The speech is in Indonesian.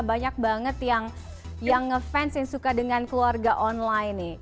banyak banget yang ngefans yang suka dengan keluarga online nih